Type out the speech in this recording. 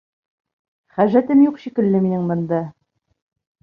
Хәжәтем юҡ шикелле минең бында.